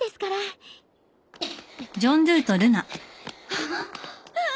あっ！